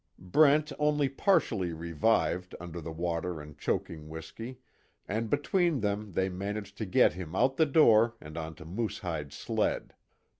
Brent only partially revived under the water and choking whiskey, and between them they managed to get him out the door and onto Moosehide's sled.